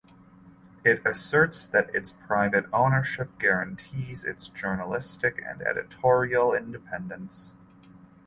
It asserts that its private ownership guarantees its journalistic and editorial independence.